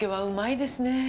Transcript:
うまいですね。